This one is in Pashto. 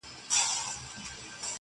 لا تیاري دي مړې ډېوې نه دي روښانه,